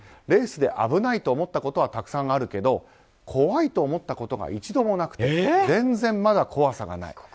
レースで危ないと思ったことはたくさんあるけど怖いと思ったことが一度もなくて全然まだ怖さがない。